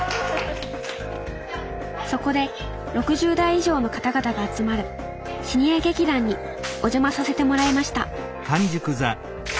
そこで６０代以上の方々が集まるシニア劇団にお邪魔させてもらいました